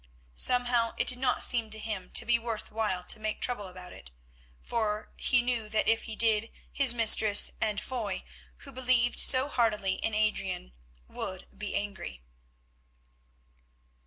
Somehow it did not seem to him to be worth while to make trouble about it, for he knew that if he did his mistress and Foy, who believed so heartily in Adrian, would be angry.